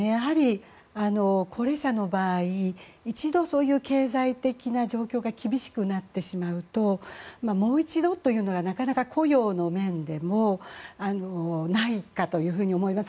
高齢者の場合一度、経済的な状況が厳しくなってしまうともう一度というのがなかなか雇用の面でもないかと思います。